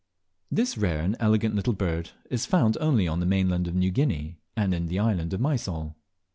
This rare and elegant little bird is found only on the mainland of New Guinea, and in the island of Mysol.